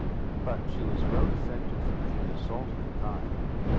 But she was well defended from any assault of the kind.